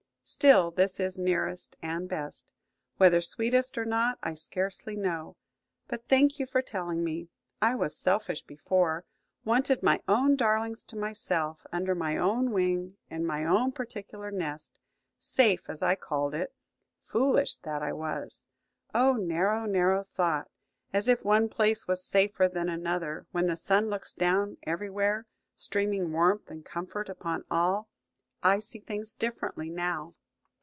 Still, this is nearest and best; whether sweetest or not, I scarcely know. But thank you for telling me! I was selfish before: wanted my own darlings to myself, under my own wing, in my own particular nest–safe, as I called it–foolish that I was! Oh, narrow, narrow thought! As if one place was safer than another, when the sun looks down everywhere, streaming warmth and comfort upon all! I see things differently now.